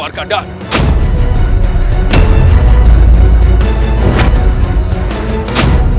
menemukan warga dana